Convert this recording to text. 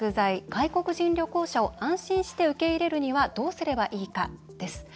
外国人旅行者を安心して受け入れるにはどうすればいいか？です。